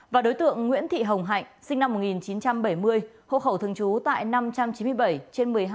và đối tượng nguyễn thị hồng hạnh sinh năm một nghìn chín trăm bảy mươi hộ khẩu thường trú tại năm trăm chín mươi bảy trên một mươi hai